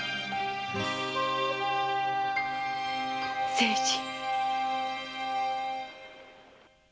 清次。